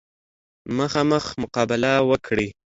مخامخ مقابله وکړي.